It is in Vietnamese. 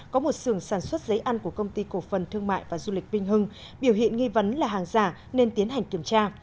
có một sưởng sản xuất giấy ăn của công ty cổ phần thương mại và du lịch vinh hưng biểu hiện nghi vấn là hàng giả nên tiến hành kiểm tra